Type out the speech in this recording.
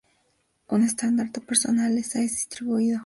Un estandarte personal le es atribuido.